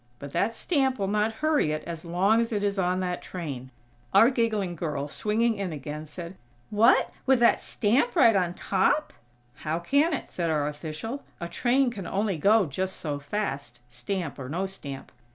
But that stamp will not hurry it as long as it is on that train." Our giggling girl, swinging in again, said: "What? With that stamp right on top?" "How can it?" said our official. "A train can only go just so fast, stamp or no stamp."